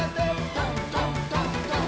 「どんどんどんどん」